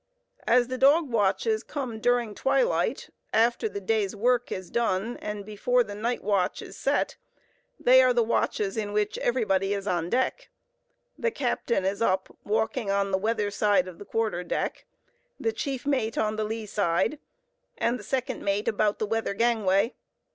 As the dog watches come during twilight, after the day's work is done, and before the night watch is set, they are the watches in which everybody is on deck. The captain is up, walking on the weather side of the quarter deck, the chief mate on the lee side, and the second mate about the weather gangway.